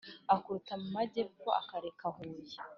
Aturuka mu majyepfo Akarere ka Huye .